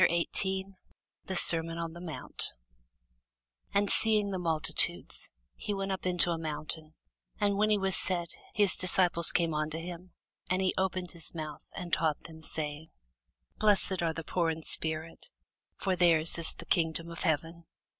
CHAPTER 18 THE SERMON ON THE MOUNT [Sidenote: St. Matthew 5] AND seeing the multitudes, he went up into a mountain: and when he was set, his disciples came unto him: and he opened his mouth, and taught them, saying, Blessed are the poor in spirit: for their's is the kingdom of heaven.